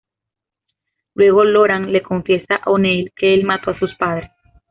Luego Loran le confiesa a O'Neill que el mato a sus padres.